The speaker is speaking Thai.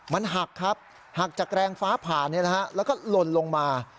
มันหักครับหักจากแรงฟ้าผ่าแล้วก็หล่นลงมา